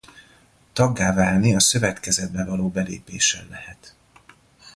Taggá válni a szövetkezetbe való belépéssel lehet.